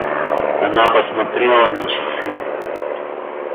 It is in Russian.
Она посмотрела на часы.